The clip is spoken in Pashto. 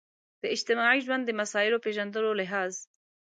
د اجتماعي ژوند د مسایلو پېژندلو لحاظ.